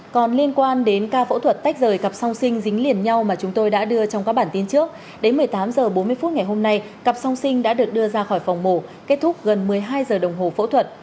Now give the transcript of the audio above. còn liên quan đến ca phẫu thuật tách rời cặp song sinh dính liền nhau mà chúng tôi đã đưa trong các bản tin trước đến một mươi tám h bốn mươi phút ngày hôm nay cặp song sinh đã được đưa ra khỏi phòng mổ kết thúc gần một mươi hai giờ đồng hồ phẫu thuật